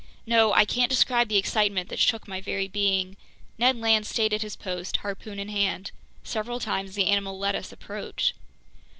No, I can't describe the excitement that shook my very being. Ned Land stayed at his post, harpoon in hand. Several times the animal let us approach.